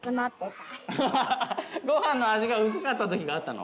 ごはんの味が薄かった時があったの？